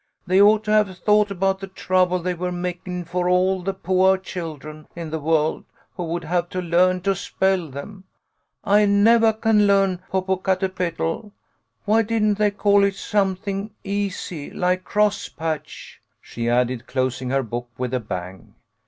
They ought to have thought about the trouble they were makin' for all the poah children in the world 129 130 THE LITTLE COLONEL'S HOLIDAYS. who would have to learn to spell them. I nevah can learn Popocatepetl. Why didn't they call it some thing easy, like like Crosspatch !" she added, clos ing her book with a bang.